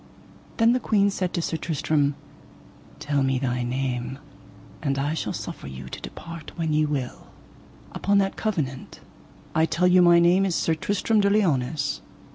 Then the queen said to Sir Tristram: Tell me thy name, and I shall suffer you to depart when ye will. Upon that covenant I tell you my name is Sir Tristram de Liones.